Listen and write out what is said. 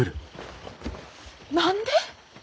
何で？